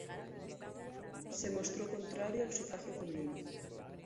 Se mostró contrario al sufragio femenino.